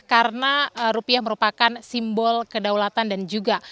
karena rupiah merupakan simbol kedaulatan dan juga